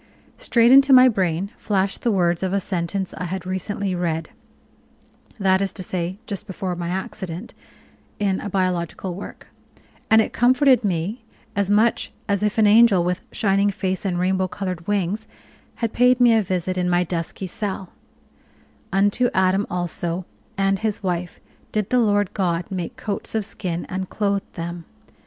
Straight into my brain flashed the words of a sentence I had recently read that is to say, just before my accident in a biological work, and it comforted me as much as if an angel with shining face and rainbow colored wings had paid me a visit in my dusky cell: "Unto Adam also, and his wife, did the Lord God make coats of skin and clothed them.